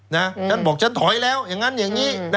ฉันบอกฉันถอยแล้วอย่างนั้นอย่างนี้